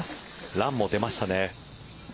ランも出ましたね。